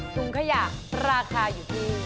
ถุงขยะราคาอยู่ที่